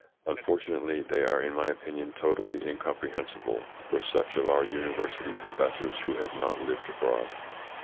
Unfortunately they are in my opinion totally incomprehensible for such of our university professors who have not lived abroad.